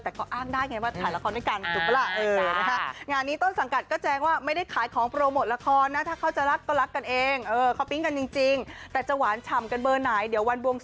แต่ก็อ้างได้ว่าถ่ายละครด้วยกัน